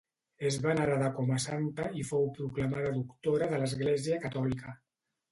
És venerada com a santa i fou proclamada doctora de l'Església catòlica.